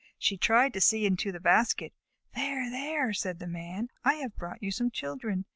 She tried to see into the basket. "There! There!" said the Man, "I have brought you some children."